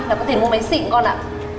là có thể mua máy xịn con ạ